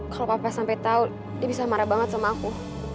kalau papa sampai tau dia bisa marah banget sama aku